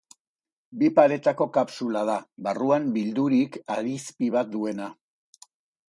Bi paretako kapsula da, barruan bildurik harizpi bat duena.